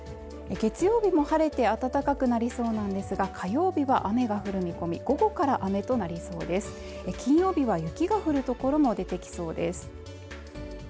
月曜日も晴れて暖かくなりそうなんですが火曜日は雨が降る見込み午後から雨となりそうですが金曜日は雪が降る所も出てきそうです